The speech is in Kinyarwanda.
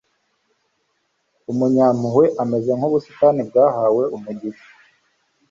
umunyampuhwe ameze nk'ubusitani bwahawe umugisha